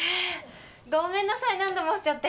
ごめんなさい何度も押しちゃって。